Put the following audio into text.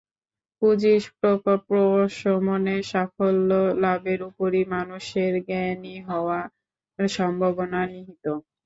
পুঁজির প্রকোপ প্রশমনে সাফল্য লাভের ওপরই মানুষের জ্ঞানী হওয়ার সম্ভাবনা নিহিত।